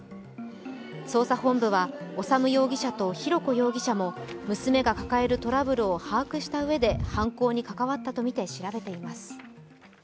捜査本部は修容疑者と浩子容疑者も娘が抱えるトラブルを把握したうえで犯行に関わったとして調べています。